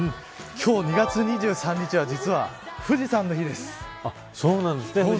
今日、２月２３日は富士山の日です。